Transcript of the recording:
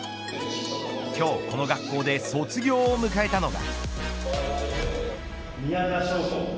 今日、この学校で卒業を迎えたのが。